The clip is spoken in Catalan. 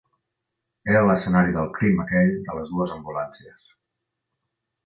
Era l'escenari del crim aquell de les dues ambulàncies.